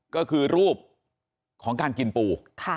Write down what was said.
ก็คือรูปของการกินปู